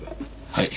はい。